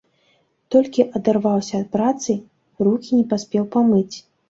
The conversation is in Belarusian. Толькі адарваўся ад працы, рукі не паспеў памыць.